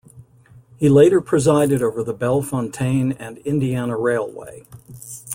He later presided over the Bellefontaine and Indiana Railway.